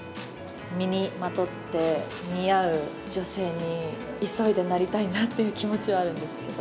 身にまとって、似合う女性に急いでなりたいなっていう気持ちはあるんですけど。